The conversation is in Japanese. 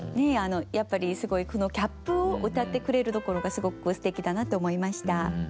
やっぱりこのギャップをうたってくれるところがすごくすてきだなって思いました。